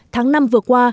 tháng năm vừa qua